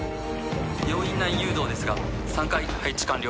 病院内誘導ですが３階配置完了。